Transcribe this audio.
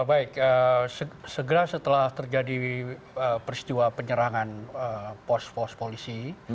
baik segera setelah terjadi peristiwa penyerangan pos pos polisi